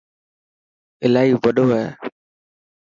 الاهي وڏو هي.